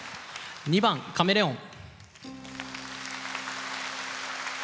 ２番「カメレオン」。